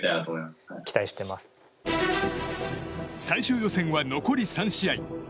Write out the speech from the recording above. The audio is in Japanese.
最終予選は残り３試合。